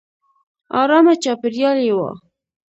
ارامه چاپېریال یې و.